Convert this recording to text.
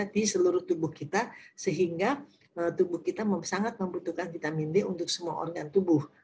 di seluruh tubuh kita sehingga tubuh kita sangat membutuhkan vitamin d untuk semua organ tubuh